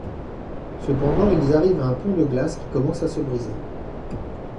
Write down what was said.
Cependant, ils arrivent à un pont de glace qui commence à se briser.